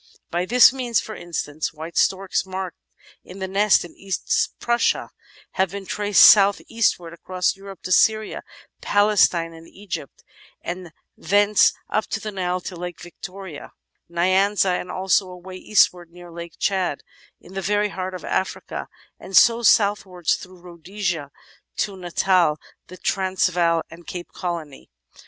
By this means, for instance, white storks marked in the nest in East Prussia have been traced south eastwards across Europe to Syria, Palestine, and Egypt, and thence up the Nile to Lake Victoria Nyanza — ^and also away eastwards near Lake Chad, in the very heart of Africa — and so southwards through Rhodesia to Natal, the Transvaal and Cape Colony.